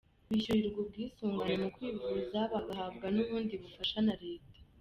Bishyurirwa ubwisungane mu kwivuza, bagahabwa n’ubundi bufasha na Leta.